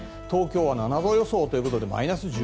東京は７度予想ということです。